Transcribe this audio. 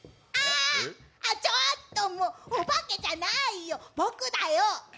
ちょっと、お化けじゃないよ、僕だよ。